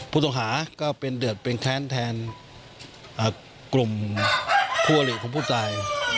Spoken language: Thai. ผู้ต้องหาก็เป็นเดือดเป็นแค้นแทนกลุ่มคู่อลิของผู้ตาย